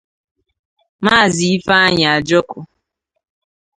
Maazị Ifeanyi Ajoku